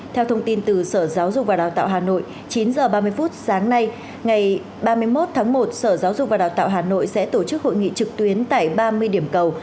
theo thông tin từ sở giáo dục và đào tạo hà nội chín h ba mươi phút sáng nay ngày ba mươi một tháng một sở giáo dục và đào tạo hà nội sẽ tổ chức hội nghị trực tuyến tại ba mươi điểm cầu